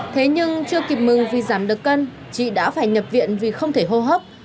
thế nhưng chưa kịp mừng vì giảm được cân chị đã phải nhập viện vì không thể hô hấp